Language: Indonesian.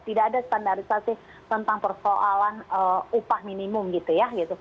tidak ada standarisasi tentang persoalan upah minimum gitu ya